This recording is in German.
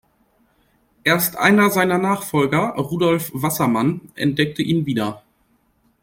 Erst einer seiner Nachfolger, Rudolf Wassermann, entdeckte ihn wieder.